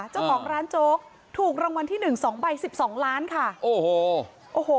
ของร้านโจ๊กถูกรางวัลที่๑๒ใบ๑๒ล้านค่ะโอ้โห